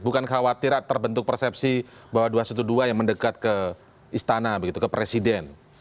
bukan khawatir terbentuk persepsi bahwa dua ratus dua belas yang mendekat ke istana begitu ke presiden